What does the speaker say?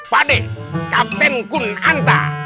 pak de kapten kun anta